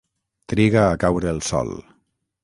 Triga a caure el sol.